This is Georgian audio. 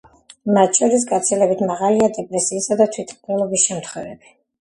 მათ შორის გაცილებით მაღალია დეპრესიისა და თვითმკვლელობის შემთხვევები.